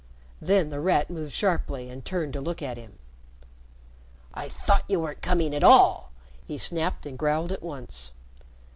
Then The Rat moved sharply and turned to look at him. "I thought you weren't coming at all!" he snapped and growled at once.